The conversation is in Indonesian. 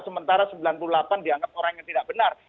sementara sembilan puluh delapan dianggap orang yang tidak benar